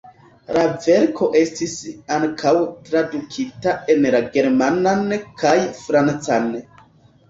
La verko estis ankaŭ tradukita en la germanan kaj francan.